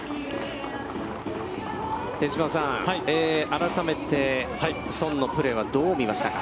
手嶋さん、改めて、宋のプレーは、どう見ましたか。